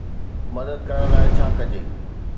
مدد ڪرڻ لاء ڇا ڪجي؟